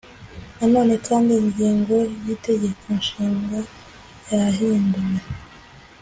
Na none kandi ingingo yitegeko Nshinga yahinduwe